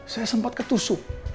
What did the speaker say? saya sempat ketusuk